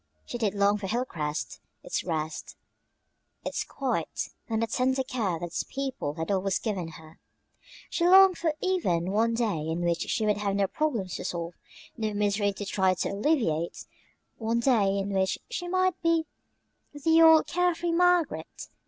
She did long for Hilcrest, its rest, its quiet, and the tender care that its people had always given her. She longed for even one day in which she would have no problems to solve, no misery to try to alleviate one day in which she might be the old care free Margaret.